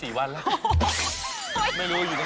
อ้าวเป็นว่ามอเจอช่วยหละ